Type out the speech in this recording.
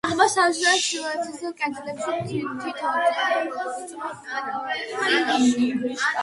აღმოსავლეთისა და ჩრდილოეთის კედლებში თითო სწორკუთხა ნიშია.